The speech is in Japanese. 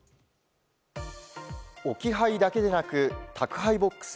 置き配だけでなく宅配ボックス